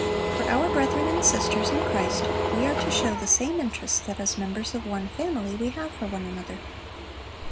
For our brethren and sisters in Christ we are to show the same interest that as members of one family we have for one another.